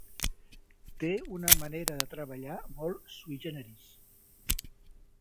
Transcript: Té una manera de treballar molt 'sui generis'.